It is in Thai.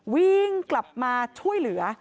วิ่งกลับมาช่วยเหลือ